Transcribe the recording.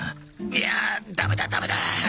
いやあダメだダメだ！